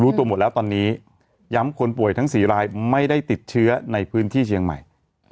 ตัวหมดแล้วตอนนี้ย้ำคนป่วยทั้ง๔รายไม่ได้ติดเชื้อในพื้นที่เชียงใหม่